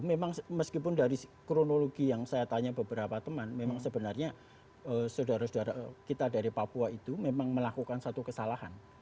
memang meskipun dari kronologi yang saya tanya beberapa teman memang sebenarnya saudara saudara kita dari papua itu memang melakukan satu kesalahan